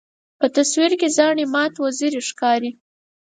په تصویر کې زاڼې مات وزرې ښکاري.